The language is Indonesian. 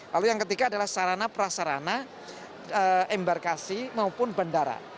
lalu yang ketiga adalah sarana prasarana embarkasi maupun bandara